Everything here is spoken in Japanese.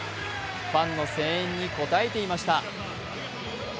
ファンの声援に応えていました。